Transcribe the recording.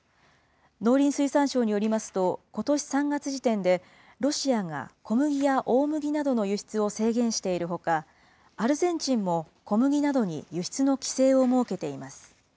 農林水産省によりますと、ことし３月時点で、ロシアが小麦や大麦などの輸出を制限しているほか、アルゼンチンも小麦などに輸出の規制を設けています。